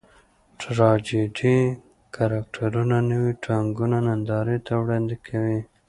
ټراجېډي کرکټرونه نوي ناټکونه نندارې ته وړاندې کوي.